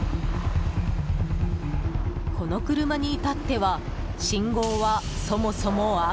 この車に至っては信号はそもそも赤。